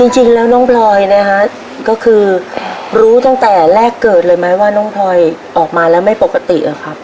จริงแล้วน้องพลอยนะฮะก็คือรู้ตั้งแต่แรกเกิดเลยไหมว่าน้องพลอยออกมาแล้วไม่ปกติอะครับ